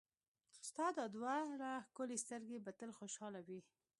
ستا دا دواړه ښکلې سترګې به تل خوشحاله وي.